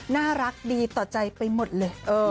น่ารักดีต่อใจไปหมดเลย